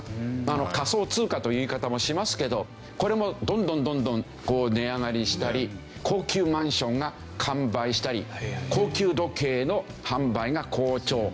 仮想通貨という言い方もしますけどこれもどんどんどんどん値上がりしたり高級マンションが完売したり高級時計の販売が好調。